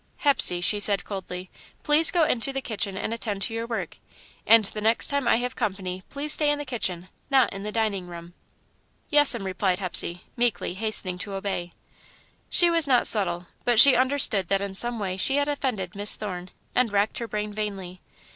"Hepsey," she said, coldly, "please go into the kitchen and attend to your work. And the next time I have company, please stay in the kitchen not in the dining room." "Yes'm," replied Hepsey, meekly, hastening to obey. She was not subtle, but she understood that in some way she had offended Miss Thorne, and racked her brain vainly.